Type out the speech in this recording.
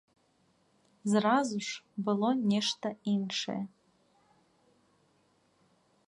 Зразу ж было нешта іншае.